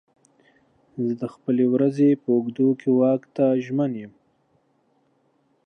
زه د خپلې ورځې په اوږدو کې واک ته ژمن یم.